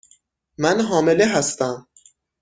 من حامله هستم.